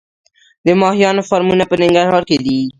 د ماهیانو فارمونه په ننګرهار کې دي